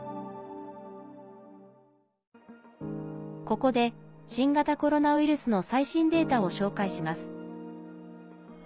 ここで新型コロナウイルスの最新データを紹介します。